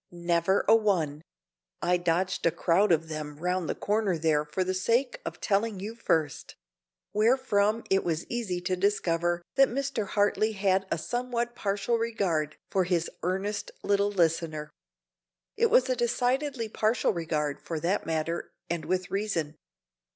"Never a one; I dodged a crowd of them round the corner there for the sake of telling you first;" wherefrom it was easy to discover that Mr. Hartley had a somewhat partial regard for his earnest little listener. It was a decidedly partial regard, for that matter, and with reason.